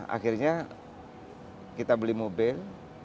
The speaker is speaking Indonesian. akhirnya kita beli mobil